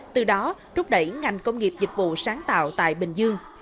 từ đó rút đẩy ngành công nghiệp dịch vụ sáng tạo tại bình dương